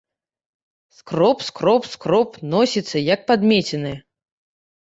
Скроб, скроб, скроб, носіцца, як падмеценая!